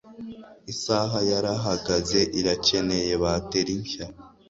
Isaha yarahagaze. Irakeneye bateri nshya.